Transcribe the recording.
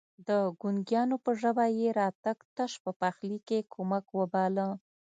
د ګونګيانو په ژبه يې راتګ تش په پخلي کې کمک وباله.